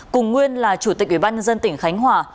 cùng nguyên là chủ tịch ủy ban nhân dân tỉnh khánh hòa